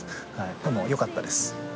でもよかったです。